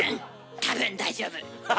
多分大丈夫。